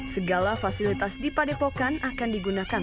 segala fasilitas di padepokan akan digunakan